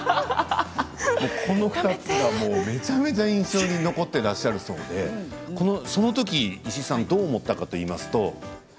この２つがめちゃめちゃ印象に残っているそうでそのとき石井さんどう思ったかといいますと。